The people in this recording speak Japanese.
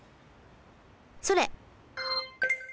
それ。